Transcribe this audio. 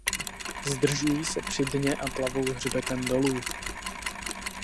Zdržují se při dně a plavou hřbetem dolů.